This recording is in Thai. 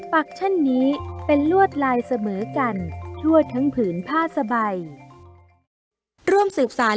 ปักเช่นนี้เป็นลวดลายเสมอกันทั่วทั้งผืนผ้าสบาย